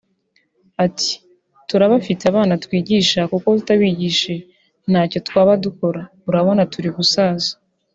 Ati “ Turabafite abana twigisha kuko tutabigishije ntacyo twaba dukora urabona turi gusaza